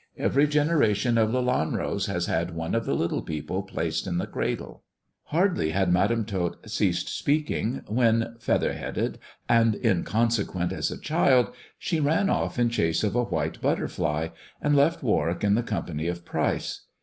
Every generation of Lelanros has had one of the little people placed in the cradle." Hardly had Madam Tot ceased speaking when, feather headed and inconsequent as a child, she ran off in chase of a white butterfly, and left Warwick in the company of Pryce.